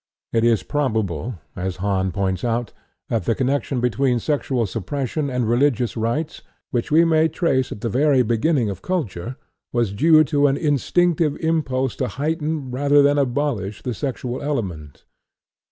It is probable, as Hahn points out, that the connection between sexual suppression and religious rites, which we may trace at the very beginning of culture, was due to an instinctive impulse to heighten rather than abolish the sexual element.